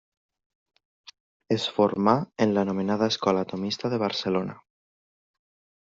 Es formà en l’anomenada Escola Tomista de Barcelona.